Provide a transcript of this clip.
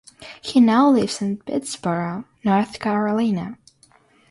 He now lives in Pittsboro, North Carolina.